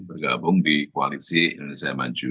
bergabung di koalisi indonesia maju